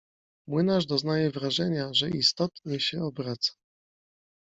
Młynarz doznaje wrażenia, że istotnie się obraca.